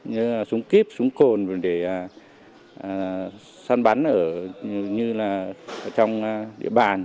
như là súng kíp súng cồn để săn bắn ở trong địa bàn